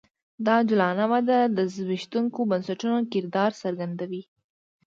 دا عجولانه وده د زبېښونکو بنسټونو کردار څرګندوي